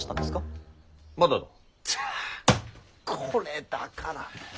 これだから。